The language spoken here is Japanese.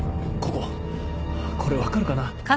これ分かるかな？